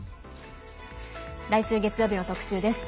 来週月曜日の特集です。